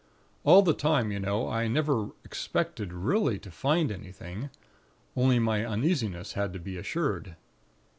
All the time, you know, I never expected really to find anything; only my uneasiness had to be assured.